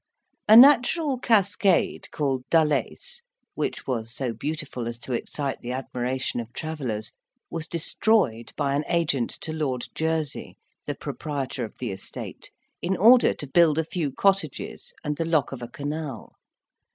A natural cascade, called Dyllais, which was so beautiful as to excite the admiration of travellers, was destroyed by an agent to Lord Jersey, the proprietor of the estate, in order to build a few cottages and the lock of a canal.